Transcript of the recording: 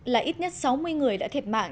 là ít nhất sáu mươi người đã thiệt mạng